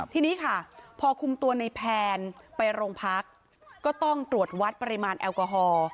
ทีนี้ค่ะพอคุมตัวในแพนไปโรงพักก็ต้องตรวจวัดปริมาณแอลกอฮอล์